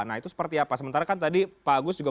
nah itu seperti apa sementara kan tadi pak agus juga